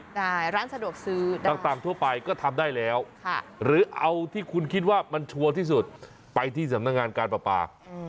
ใช่ร้านสะดวกซื้อต่างทั่วไปก็ทำได้แล้วหรือเอาที่คุณคิดว่ามันชัวร์ที่สุดไปที่สำนักงานการประปา